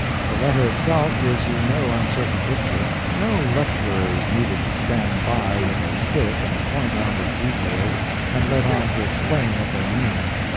The letter itself gives you no uncertain picture no lecturer is needed to stand by with a stick and point out its details and let on to explain what they mean.